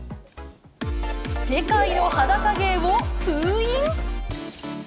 世界の裸芸を封印？